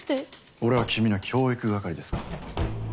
俺は君の教育係ですから。